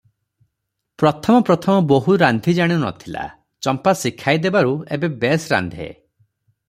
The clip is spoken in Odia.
ପ୍ରଥମ ପ୍ରଥମ ବୋହୂ ରାନ୍ଧି ଜାଣୁ ନ ଥିଲା, ଚମ୍ପା ଶିଖାଇ ଦେବାରୁ ଏବେ ବେଶ୍ ରାନ୍ଧେ ।